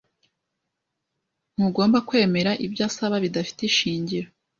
Ntugomba kwemera ibyo asaba bidafite ishingiro.